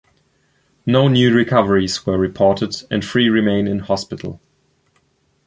No new recoveries were reported and three remain in hospital.